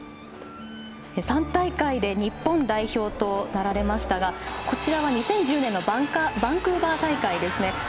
３大会で日本代表となられましたがこちらは２０１０年のバンクーバー大会ですね。